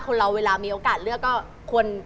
เราเวลามีโอกาสเลือกก็ควร